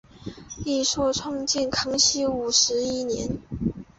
一说创建于康熙五十一年。